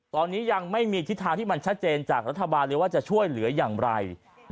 ตอนนี้ยังไม่มีทิศทางที่มันชัดเจนจากรัฐบาลเลยว่าจะช่วยเหลืออย่างไร